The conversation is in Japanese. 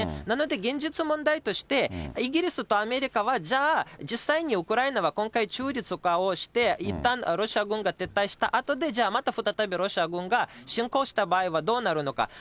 なので、現実問題として、イギリスとアメリカはじゃあ、実際にウクライナは今回、中立化をして、いったんロシア軍が撤退したあとで、じゃあまた再びロシア軍が侵攻した場合はどうなるのか。